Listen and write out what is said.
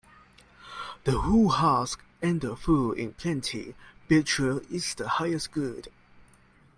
The hull husk and the full in plenty Virtue is the highest good.